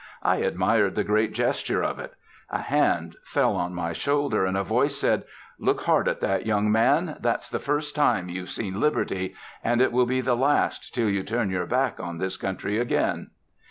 I admired the great gesture of it. A hand fell on my shoulder, and a voice said, "Look hard at that, young man! That's the first time you've seen Liberty and it will be the last till you turn your back on this country again."